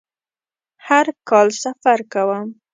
هر کال سفر کوم